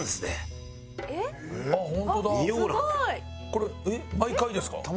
「これ毎回ですか？」